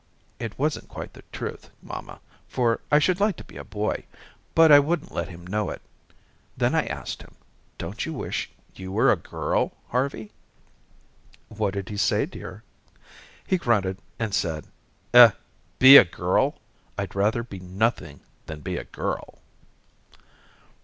It wasn't quite the truth, mamma, for I should like to be a boy, but I wouldn't let him know it. Then I asked him: 'Don't you wish you were a girl, Harvey?'" "What did he say, dear?" "He grunted and said, 'Eh be a girl? I'd rather be nothing than be a girl.'"